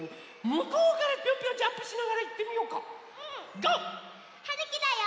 ゴー！はるきだよ！